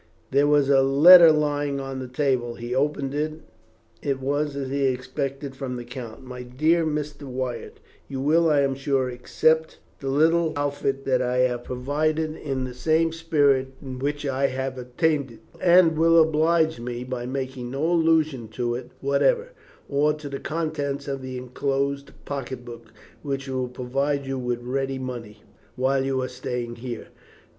There was a letter lying on the table. He opened it. It was, as he had expected, from the count. "My dear Mr. Wyatt, you will, I am sure, accept the little outfit that I have provided, in the same spirit in which I have obtained it, and will oblige me by making no allusion to it whatever, or to the contents of the enclosed pocket book, which will provide you with ready money while you are staying here.